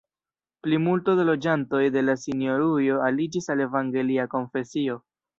Plimulto de la loĝantoj de la sinjorujo aliĝis al evangelia konfesio.